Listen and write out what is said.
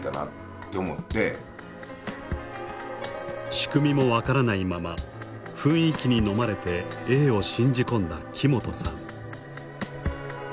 仕組みも分からないまま雰囲気にのまれてＡを信じ込んだ木本さん。